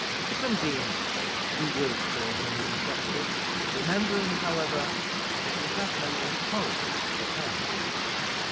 For convenience sake we will call him a detective; remembering, however, that we have no authority for the term.